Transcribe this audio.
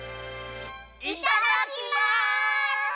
いただきます！